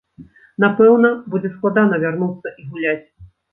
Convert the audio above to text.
Напэўна, будзе складана вярнуцца і гуляць.